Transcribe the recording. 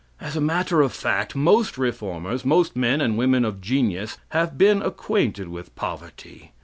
As a matter of fact, most reformers most men and women of genius have been acquainted with poverty.